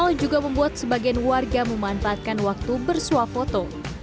tol juga membuat sebagian warga memanfaatkan waktu bersuah foto